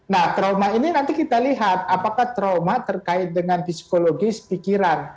nah trauma ini nanti kita lihat apakah trauma terkait dengan psikologis pikiran